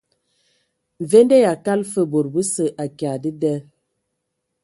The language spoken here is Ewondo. Mvende yʼakala fə bod bəsə akya dəda.